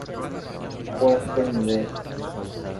Cuarto nivel.